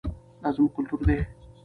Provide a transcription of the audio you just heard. دا زموږ کلتور دی.